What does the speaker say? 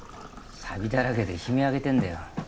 サビだらけで悲鳴上げてんだよ